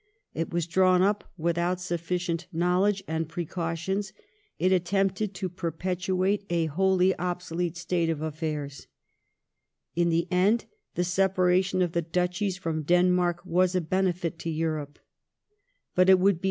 It was drawn up without sufficient knowledge and precautions ; it attempted to perpetuate a wholly obsolete state of afi'airs. In the end, the separation of the Duchies from Denmark was a benefit to Europe. But it would be POLAND AND SGHLESWIG HOLSTEIN.